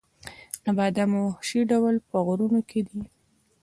د بادامو وحشي ډولونه په غرونو کې دي؟